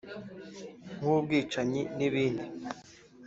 nk’ubwicanyi n’ibindi